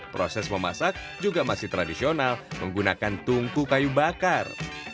proses memasak juga masih tradisional menggunakan tungku kayu bakar